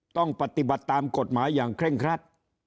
ต้องปฏิบัติตามกฎหมายอย่างเคร่งครัด